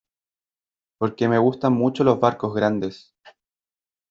porque me gustan mucho los barcos grandes .